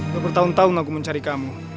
udah bertahun tahun aku mencari kamu